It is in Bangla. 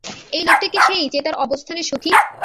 এই লোকটি কি সেই যে তার অবস্থানে সুখি?